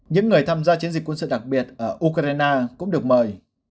những người tham gia chiến dịch quân sự đặc biệt ở ukraine cũng được mời